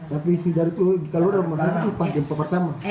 tapi kalau rumah sakit itu pas gempa pertama